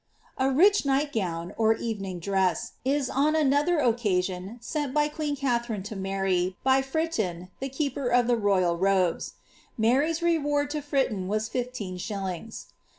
A rich night gown, or evening dress, is on another occasion sent by queen Katliarine to Mary, by Fritton, the keeper of the royal robo: Mar}''s reward to Fritton was fifteen shillings.